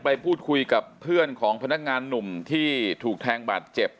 ไปพูดคุยกับเพื่อนของพนักงานหนุ่มที่ถูกแทงบาดเจ็บ